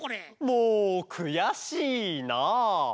もうくやしいな！